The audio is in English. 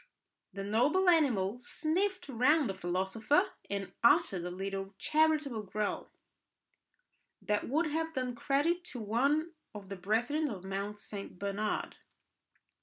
The noble animal sniffed round the philosopher, and uttered a little charitable growl that would have done credit to one of the brethren of Mount St. Bernard.